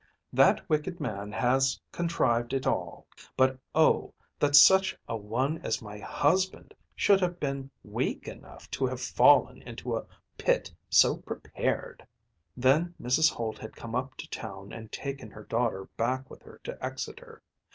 "That wicked man has contrived it all. But, oh, that such a one as my husband should have been weak enough to have fallen into a pit so prepared!" Then Mrs. Holt had come up to town and taken her daughter back with her to Exeter.